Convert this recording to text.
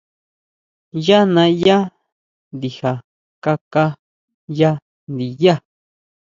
Yá naʼyá ndija kaká ya ndiyá.